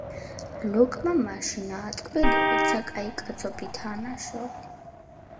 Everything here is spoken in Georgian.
ლუკმა მაშინაა ტკბილი, როცა კაი კაცობითაა ნაშოვნი